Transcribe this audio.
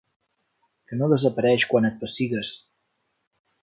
Que no desapareix quan et pessigues.